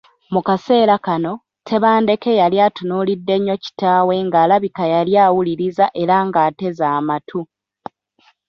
Mu kaseera kano, Tebandeke yali atunuulidde nnyo kitaawe nga alabika yali awuliriza era ng’ateze amatu.